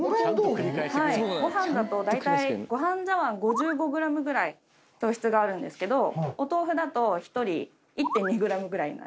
ご飯だと大体ご飯茶わん５５ｇぐらい糖質があるんですけどお豆腐だと１人１．２ｇぐらいになる。